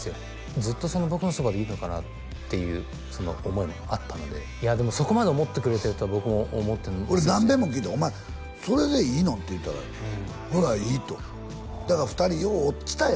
ずっと僕のそばでいいのかなっていうその思いもあったのででもそこまで思ってくれてるとは僕も思って俺何べんも聞いた「お前それでいいの？」って言うたらほな「いい」とだから２人よう落ちたよ